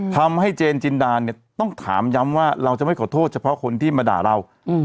ทำให้เจนจินดาเนี่ยต้องถามย้ำว่าเราจะไม่ขอโทษเฉพาะคนที่มาด่าเรา